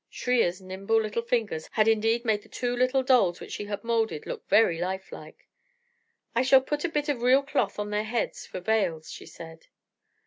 Shriya's nimble little fingers had indeed made the two little dolls which she had moulded look very lifelike. "I shall put a bit of real cloth on their heads for veils," she said.